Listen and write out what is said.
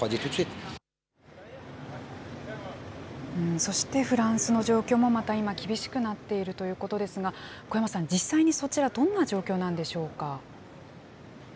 そして、フランスの状況もまた今、厳しくなっているということですが、古山さん、実際にそちら、どんな状況なんでしょうか。